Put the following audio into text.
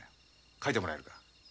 描いてもらえるか？